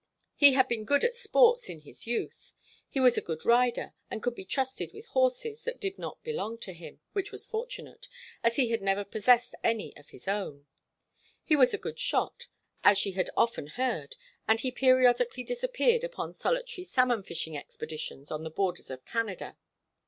He had been good at sports in his youth, he was a good rider, and could be trusted with horses that did not belong to him, which was fortunate, as he had never possessed any of his own; he was a good shot, as she had often heard, and he periodically disappeared upon solitary salmon fishing expeditions on the borders of Canada.